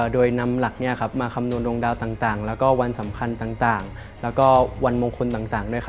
โดยนำหลักเนี่ยครับมาคำนวนโดงดาวต่าง